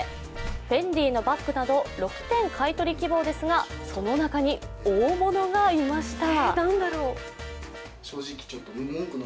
フェンディのバッグなど６点買い取り希望なんですがその中に大物がいました。